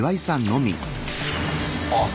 あっ！